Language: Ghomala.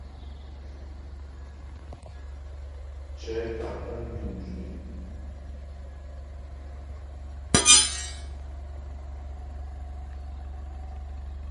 Cɛ̌ kǎ puŋ bí mjwǐ.